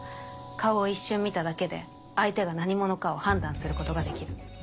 顔を一瞬見ただけで相手が何者かを判断することができる。